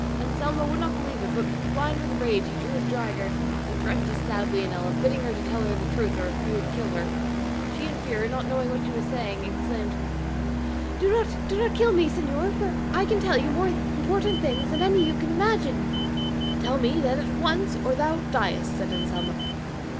Anselmo would not believe it, but blind with rage drew a dagger and threatened to stab Leonela, bidding her tell the truth or he would kill her. She, in her fear, not knowing what she was saying, exclaimed, "Do not kill me, señor, for I can tell you things more important than any you can imagine." "Tell me then at once or thou diest," said Anselmo.